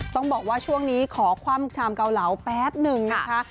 ต้องบอกว่าช่วงนี้ขอคว่ำชามเกาเหลาแป๊บหนึ่งนะคะ